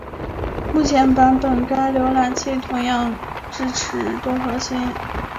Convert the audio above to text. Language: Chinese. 目前版本该预览器同样支持多核心。